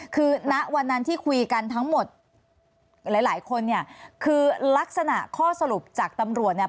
คือณวันนั้นที่คุยกันทั้งหมดหลายหลายคนเนี่ยคือลักษณะข้อสรุปจากตำรวจเนี่ย